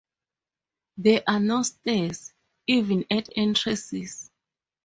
There are no stairs, even at entrances.